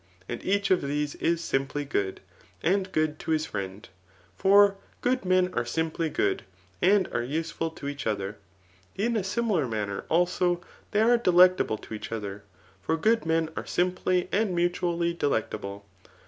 And each of these is simply good, and good to his friend ; for good men are simply good, and are useful to each other. In a similar manner, also, they are delectable to each other ; for good men are amply and mutually delectable.